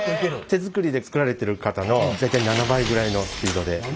手作りで作られてる方の大体７倍ぐらいのスピードで。